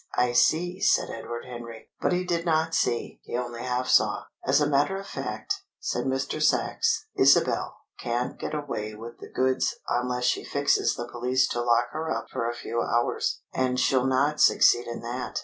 _" "I see," said Edward Henry. But he did not see. He only half saw. "As a matter of fact," said Mr. Sachs, "Isabel can't get away with the goods unless she fixes the police to lock her up for a few hours. And she'll not succeed in that.